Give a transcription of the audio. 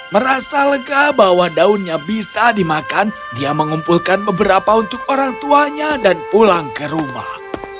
merasa lega bahwa daunnya bisa dimakan dia mengumpulkan beberapa untuk orang tuanya dan pulang ke rumah